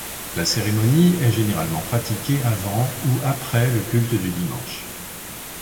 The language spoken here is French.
La cérémonie est généralement pratiquée avant ou après le culte du dimanche.